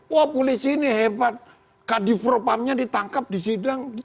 wah polisi ini hebat kadifropamnya ditangkap di sidang